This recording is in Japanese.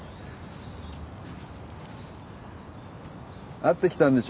会ってきたんでしょ？